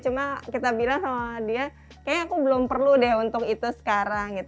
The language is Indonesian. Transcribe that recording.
cuma kita bilang sama dia kayaknya aku belum perlu deh untuk itu sekarang